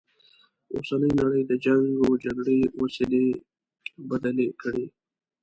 اوسنۍ نړی د جنګ و جګړې وسیلې بدل کړي.